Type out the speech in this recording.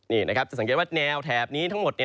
นี่นะครับจะสังเกตว่าแนวแถบนี้ทั้งหมด